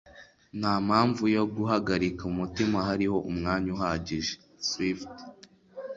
Nta mpamvu yo guhagarika umutima. Hariho umwanya uhagije. (Swift)